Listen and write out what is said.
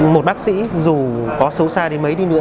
một bác sĩ dù có xấu xa đến mấy đi nữa